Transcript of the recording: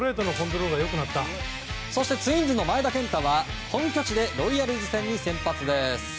そしてツインズの前田健太は本拠地でロイヤルズ戦に先発。